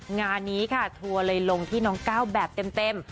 งานนี้ค่ะทัวร์เลยลงที่น้องก้าวแบบเต็ม